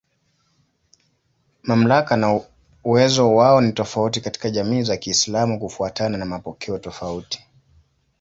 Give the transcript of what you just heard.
Mamlaka na uwezo wao ni tofauti katika jamii za Kiislamu kufuatana na mapokeo tofauti.